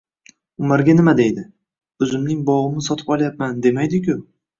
Umarga nima deydi? O‘zimning bog‘imni sotib olyapman, demaydi-ku